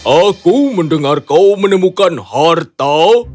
aku mendengar kau menemukan harta